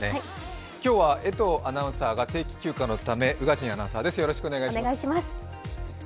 今日は江藤アナウンサーが定期休暇のため宇賀神アナウンサーです、よろしくお願いします。